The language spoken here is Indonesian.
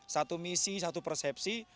satu misi satu persepsi